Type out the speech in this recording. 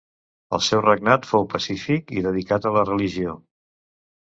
El seu regnat fou pacífic i dedicat a la religió.